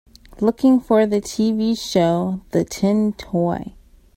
Looking for the TV show the Tin Toy